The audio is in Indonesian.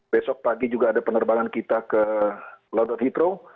besok pagi juga ada penerbangan kita ke london litraut